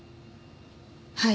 はい。